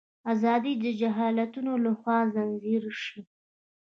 ازادي د جهالتونو لخوا ځنځیر شي.